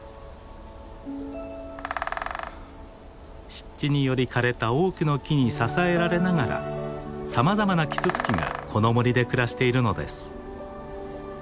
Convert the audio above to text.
湿地により枯れた多くの木に支えられながらさまざまなキツツキがこの森で暮らしているのです。